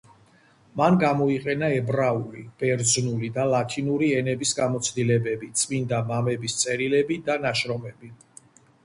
მან გამოიყენა ებრაული, ბერძნული და ლათინური ენების გამოცდილებები, „წმინდა მამების“ წერილები და ნაშრომები.